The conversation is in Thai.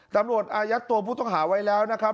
อายัดตัวผู้ต้องหาไว้แล้วนะครับ